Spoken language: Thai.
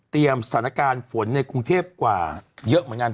สถานการณ์ฝนในกรุงเทพกว่าเยอะเหมือนกัน